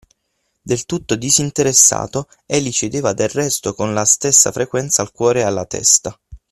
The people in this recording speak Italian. Del tutto disinteressato, egli cedeva del resto con la stessa frequenza al cuore e alla testa;